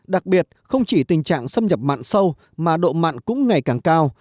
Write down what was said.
đặc biệt không chỉ tình trạng xâm nhập mặn sâu mà độ mặn cũng ngày càng cao